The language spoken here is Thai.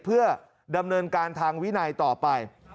เพื่อดำเนินการทางวินัยต่อไป